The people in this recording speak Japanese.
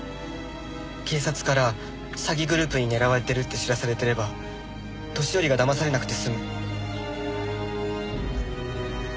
警察から詐欺グループに狙われてるって知らされてれば年寄りがだまされなくて済む。